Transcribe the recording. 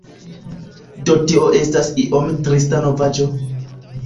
Do tio estas iom trista novaĵo